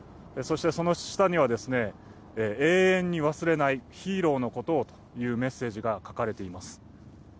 その下には、永遠に忘れないヒーローのことをというメッセージが書かれています。